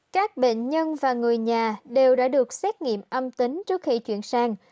các bệnh nhân và người nhà đều đã được xét nghiệm âm tính trước khi chuyển sang